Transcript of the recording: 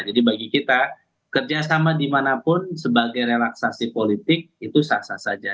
jadi bagi kita kerja sama dimanapun sebagai relaksasi politik itu sah sah saja